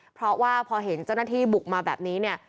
เพราะว่าพอเห็นเจ้าหน้าที่บุกมาแบบนี้เนี่ย